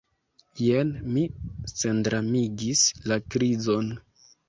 Jen, mi sendramigis la krizon.